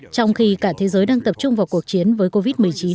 trong khi cả thế giới đang tập trung vào cuộc chiến với covid một mươi chín